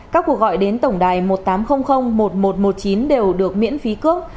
các cuộc gọi đến tổng đài một nghìn tám trăm linh một nghìn một trăm một mươi chín đều được miễn phí cước